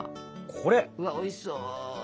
うわおいしそう。